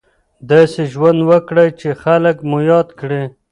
داسې ژوند وکړئ چې خلک مو یاد کړي.